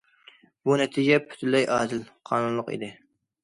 بۇ نەتىجە پۈتۈنلەي ئادىل، قانۇنلۇق ئىدى.